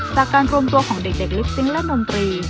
จากการรวมตัวของเด็กลิปซิงค์และดนตรี